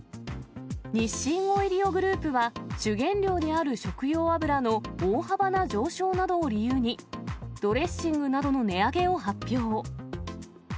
日清オイリオグループは主原料である食用油の大幅な上昇などを理由に、ドレッシングなどの値上げを発表。